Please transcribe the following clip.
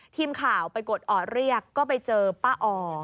ทีมข่าวไปกดออดเรียกก็ไปเจอป้าอ่อ